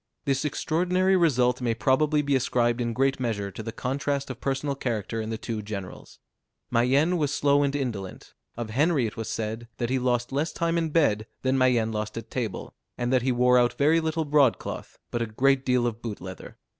This extraordinary result may probably be ascribed in great measure to the contrast of personal character in the two generals. Mayenne was slow and indolent. Of Henry it was said, that he lost less time in bed than Mayenne lost at table; and that he wore out very little broad cloth, but a great deal of boot leather.